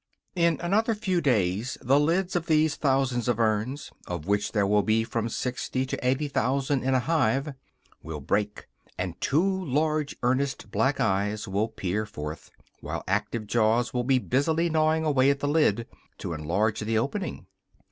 In another few days the lids of these thousands of urns of which there will be from sixty to eighty thousand in a hive will break, and two large, earnest black eyes will peer forth, while active jaws will be busily gnawing away at the lid, to enlarge the opening.